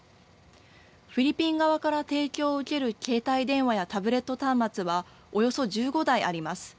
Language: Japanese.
フィリピン側から提供を受ける携帯電話やタブレット端末はおよそ１５台あります。